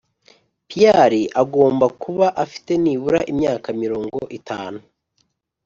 Pear agomba kuba afite nibura imyaka mirongo itanu